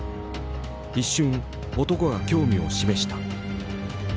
一瞬男が興味を示した。